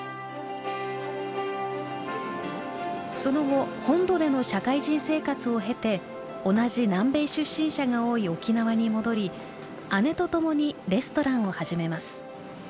その後本土での社会人生活を経て同じ南米出身者が多い沖縄に戻り姉と共にレストランを始めます。